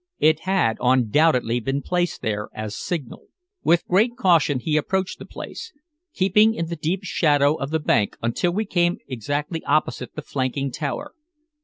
It had undoubtedly been placed there as signal. With great caution he approached the place, keeping in the deep shadow of the bank until we came exactly opposite the flanking tower.